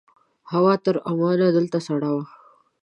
هوا تر عمان دلته سړه وه.